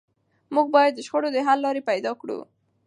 موږ باید د شخړو د حل لارې پیدا کړو.